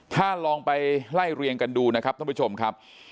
ถ้าลองไปไล่เรียงกันดูนะครับท่านผู้ชมครับ